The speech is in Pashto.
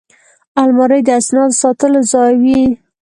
الماري د اسنادو ساتلو ځای وي